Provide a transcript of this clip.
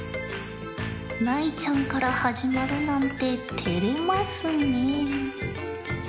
ナイちゃんからはじまるなんててれますねえ。